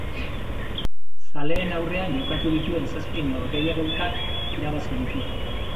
Zaleen aurrean jokatu dituen zazpi norgehiagokak irabazi ditu.